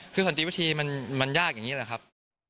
คือสันติวิธีมันยากอย่างนี้แหละครับ